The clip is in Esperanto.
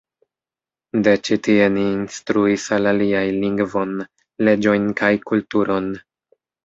De ĉi tie ni instruis al aliaj lingvon, leĝojn kaj kulturon.